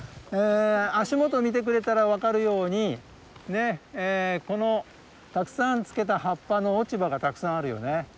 足元見てくれたら分かるようにこのたくさんつけた葉っぱの落ち葉がたくさんあるよね。